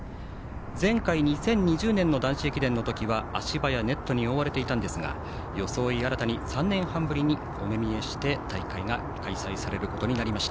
前回、２０２０年の男子駅伝の時は足場やネットに覆われていたんですが装い新たに３年半ぶりにお目見えして大会が開催されることになりました。